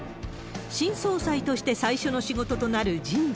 新総裁として最初の仕事となる人事。